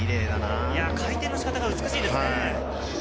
回転の仕方が美しいですね。